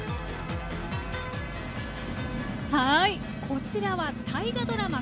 こちらは大河ドラマ